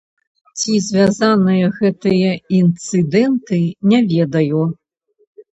Ці звязаныя гэтыя інцыдэнты, не ведаю.